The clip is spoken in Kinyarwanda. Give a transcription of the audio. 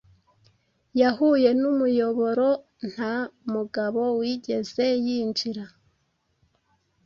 Yahuye numuyoboronta mugabo wigeze yinjira